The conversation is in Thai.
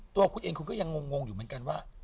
ตัวคุณเองคุณก็ยังงงอยู่เหมือนกันว่า